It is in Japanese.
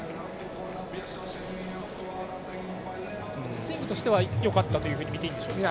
スイングとしてはよかったとみていいんでしょうか。